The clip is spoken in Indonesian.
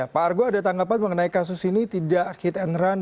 mengapa mengenai kasus ini tidak hit and run